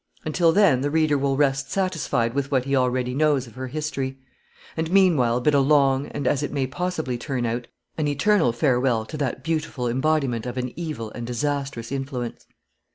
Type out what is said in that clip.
Until then the reader will rest satisfied with what he already knows of her history; and meanwhile bid a long, and as it may possibly turn out, an eternal farewell to that beautiful embodiment of an evil and disastrous influence.